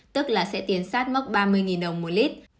tức là sẽ tiến sát mốc ba mươi đồng một lít